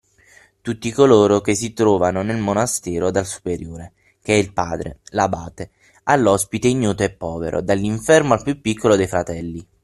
Tutti coloro che si trovano nel monastero dal superiore (che è il padre, l'abate) all'ospite ignoto e povero, dall'infermo al più piccolo dei fratelli